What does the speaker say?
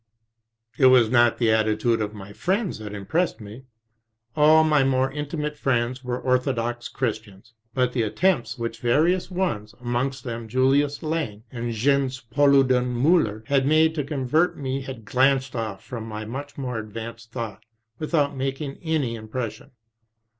It was not the attitude of my friends that impressed me. All my more intimate friends were orthodox Chris tians, but the attempts which various ones, amongst them Julius Lange, and Jens Paludan Miiller, had made to con vert me had glanced off from my much more advanced thought without making any impression.